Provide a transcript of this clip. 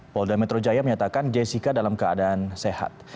polda metro jaya menyatakan jessica dalam keadaan sehat